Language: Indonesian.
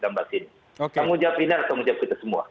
saya mengucapkan inar saya mengucapkan itu semua